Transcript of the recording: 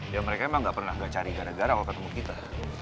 ya mereka emang gak pernah nggak cari gara gara kalau ketemu kita